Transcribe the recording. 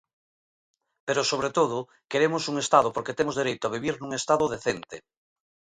Pero sobre todo, queremos un Estado porque temos dereito a vivir nun Estado decente.